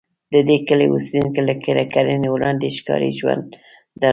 د دې کلي اوسېدونکي له کرنې وړاندې ښکاري ژوند درلود.